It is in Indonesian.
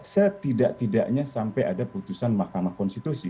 setidak tidaknya sampai ada putusan mahkamah konstitusi